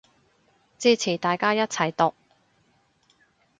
支持大家一齊毒